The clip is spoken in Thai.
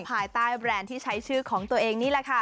ภายใต้แบรนด์ที่ใช้ชื่อของตัวเองนี่แหละค่ะ